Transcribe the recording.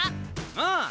ああ！